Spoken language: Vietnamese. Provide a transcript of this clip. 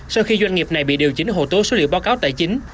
sau khi doanh nghiệp này bị điều chỉnh hồ tố số liệu báo cáo tài chính